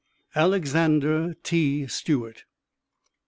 ALEXANDER T. STEWART.